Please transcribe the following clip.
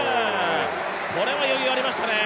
これは余裕がありましたね。